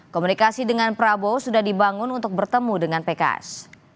komunikasi dengan prabowo sudah dibangun untuk bertemu dengan pks